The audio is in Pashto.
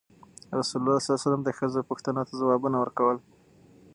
رسول ﷺ د ښځو پوښتنو ته ځوابونه ورکول.